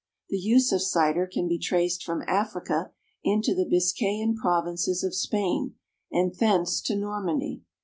The use of cider can be traced from Africa into the Biscayan provinces of Spain, and thence to Normandy.